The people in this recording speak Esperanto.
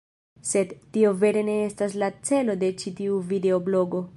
Sed... tio vere ne estas la celo de ĉi tiu videoblogo.